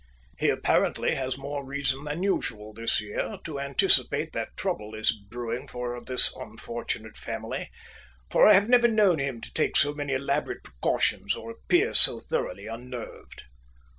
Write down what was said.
He apparently has more reason than usual this year to anticipate that trouble is brewing for this unfortunate family, for I have never known him to take so many elaborate precautions or appear so thoroughly unnerved.